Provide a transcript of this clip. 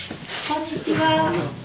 こんにちは。